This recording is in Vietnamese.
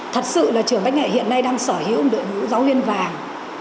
thật sự là trường bách nghệ hiện nay đang sở hữu đội ngũ giáo viên vàng